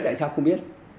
tại sao không biết